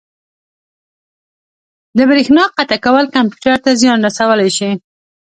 د بریښنا قطع کول کمپیوټر ته زیان رسولی شي.